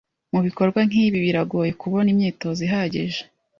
Mubikorwa nkibi, biragoye kubona imyitozo ihagije.